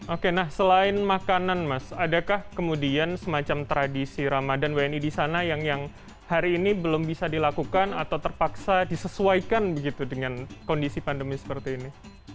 oke nah selain makanan mas adakah kemudian semacam tradisi ramadan wni di sana yang hari ini belum bisa dilakukan atau terpaksa disesuaikan begitu dengan kondisi pandemi seperti ini